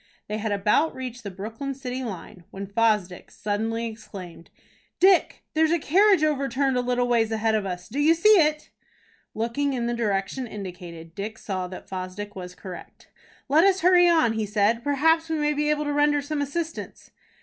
They had about reached the Brooklyn city line, when Fosdick suddenly exclaimed: "Dick, there's a carriage overturned a little ways ahead of us. Do you see it?" Looking in the direction indicated, Dick saw that Fosdick was correct. "Let us hurry on," he said. "Perhaps we may be able to render some assistance."